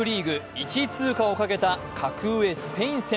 １位通過をかけた格上スペイン戦。